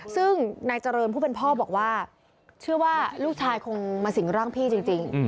ซึ่งนายเจริญผู้เป็นพ่อบอกว่าเชื่อว่าลูกชายคงมาสิงร่างพี่จริง